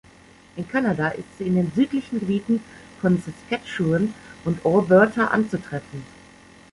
In Kanada ist sie in den südlichen Gebieten von Saskatchewan und Alberta anzutreffen.